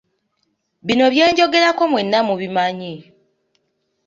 Bino bye njogerako mwenna mubimanyi.